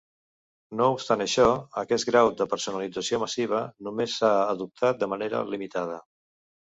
No obstant això, aquest grau de personalització massiva només s'ha adoptat de manera limitada.